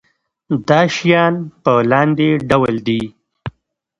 دا شیان په لاندې ډول دي.